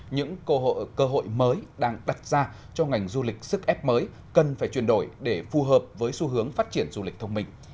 những cơ hội mới đang đặt ra cho ngành du lịch sức ép mới cần phải chuyển đổi để phù hợp với xu hướng phát triển du lịch thông minh